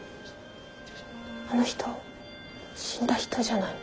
あの人死んだ人じゃない？